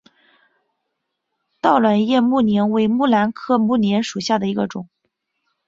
倒卵叶木莲为木兰科木莲属下的一个种。